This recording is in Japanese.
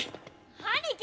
兄貴！